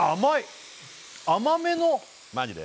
甘めのマジで？